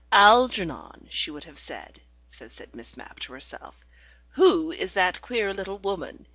"Algernon," she would have said (so said Miss Mapp to herself), "who is that queer little woman?